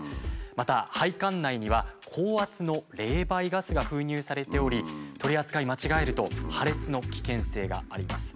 また配管内には高圧の冷媒ガスが封入されており取り扱い間違えると破裂の危険性があります。